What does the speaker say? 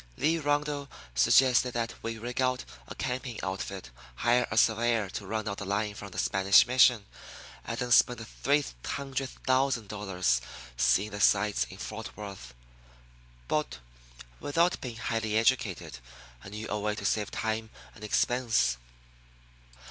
Lee Rundle suggested that we rig out a camping outfit, hire a surveyor to run out the line from the Spanish mission, and then spend the three hundred thousand dollars seeing the sights in Fort Worth. But, without being highly educated, I knew a way to save time and expense.